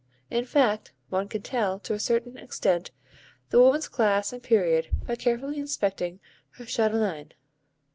In fact one can tell, to a certain extent, the woman's class and period by carefully inspecting her chatelaine.